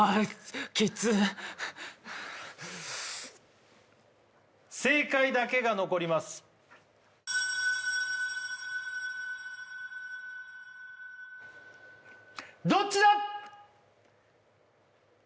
きっつ正解だけが残りますどっちだ！？